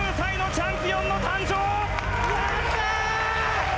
１９歳のチャンピオンの誕生！